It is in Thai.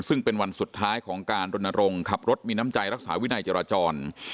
ซึ่งเป็นวันสุดท้ายของการรณรงค์ขับรถมีน้ำใจรักษาวินัยจราจร